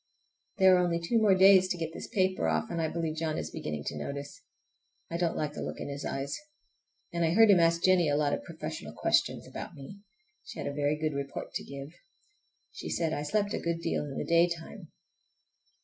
There are only two more days to get this paper off, and I believe John is beginning to notice. I don't like the look in his eyes. And I heard him ask Jennie a lot of professional questions about me. She had a very good report to give. She said I slept a good deal in the daytime.